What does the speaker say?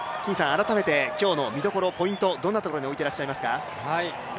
改めて今日の見どころポイントをどんなところに置いていらっしゃいますか。